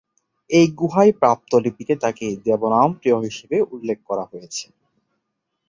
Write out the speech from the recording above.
এই গুহায় প্রাপ্ত লিপিতে তাকে "দেবনামপ্রিয়" হিসেবে উল্লেখ করা হয়েছে।